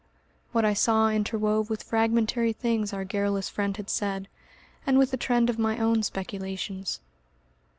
What I saw interwove with fragmentary things our garrulous friend had said, and with the trend of my own speculations....